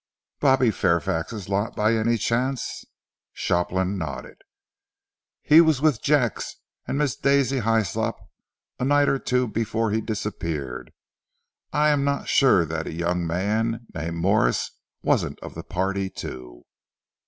"Bobby Fairfax's lot, by any chance?" Shopland nodded. "He was with Jacks and Miss Daisy Hyslop, a night or two before he disappeared. I am not sure that a young man named Morse wasn't of the party, too."